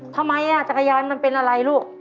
ทำไมอ่ะจักรยานมันเป็นอะไรลูก